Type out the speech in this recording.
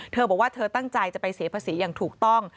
เธอบอกว่าเธอตั้งใจจะไปเสียภาษีอย่างถูกต้อง